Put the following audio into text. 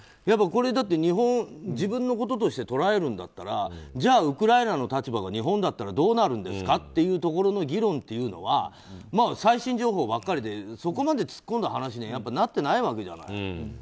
これだって日本、自分のこととして捉えるんだったらじゃあウクライナの立場は日本だったらどうなるんですかというところの議論っていうのは最新情報ばかりでそこまで突っ込んだ話にはなってないわけじゃない。